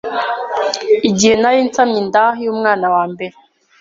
Igihe nari nsamye inda y’umwana wa mbere